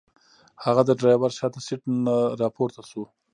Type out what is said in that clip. هغه د ډرایور شاته سیټ نه راپورته شو.